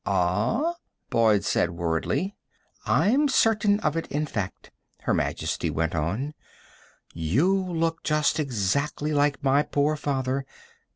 "Ah?" Boyd said worriedly. "I'm certain of it, in fact," Her Majesty went on. "You look just exactly like my poor father.